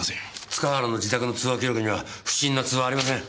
塚原の自宅の通話記録には不審な通話はありません。